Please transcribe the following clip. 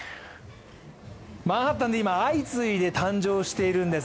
マンハッタンで今、相次いで誕生しているんです。